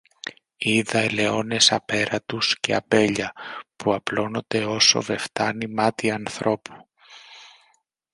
είδα ελαιώνες απέραντους και αμπέλια, που απλώνονται όσο δε φθάνει μάτι ανθρώπου.